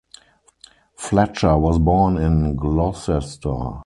Fletcher was born in Gloucester.